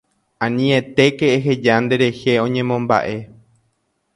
Anietéke eheja nderehe oñemomba'e